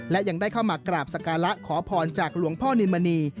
และยังได้เข้ามากราบสการะขอพรจากหลวงพ่อนินมณี